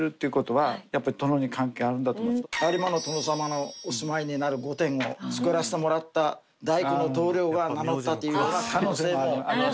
有馬の殿様のお住まいになる御殿を造らせてもらった大工の棟梁が名乗ったっていう可能性もあります。